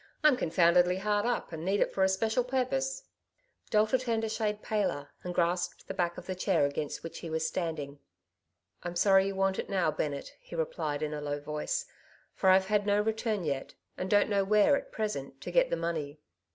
I'm confoundedly hard up, and need it for a special purpose." Delta turned a shade paler, and grasped the back of the chair against which he was standing. '^I'm sorry you want it now, Bennett," he replied in a low voice ;'* for I've had no return yet, and don't know where, at present, to get the money."